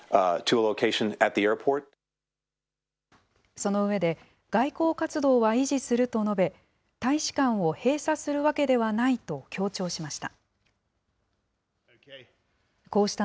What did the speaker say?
その上で、外交活動は維持すると述べ、大使館を閉鎖するわけではないと強調しました。